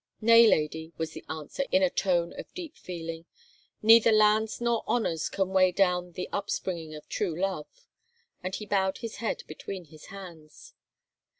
"Nay, lady," was the answer, in a tone of deep feeling. "Neither lands nor honours can weigh down the up springing of true love;" and he bowed his head between his hands.